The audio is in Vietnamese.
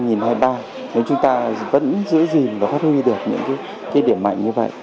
nếu chúng ta vẫn giữ gìn và phát huy được những cái điểm mạnh như vậy